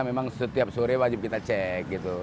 memang setiap sore wajib kita cek gitu